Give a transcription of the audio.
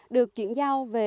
được chuyển giao về